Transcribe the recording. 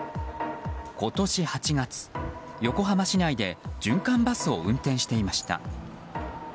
今年８月、横浜市内で循環バスを運転していました。